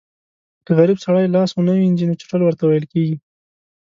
که غریب سړی لاس ونه وینځي نو چټل ورته ویل کېږي.